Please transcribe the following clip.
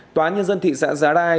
tòa nhân dân thị xã giá đai